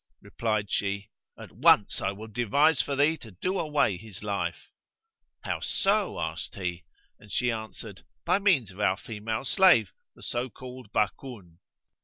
Replied she, "At once I will devise for thee to do away his life." "How so?" asked he; and she answered, "By means of our female slave the so called Bákún."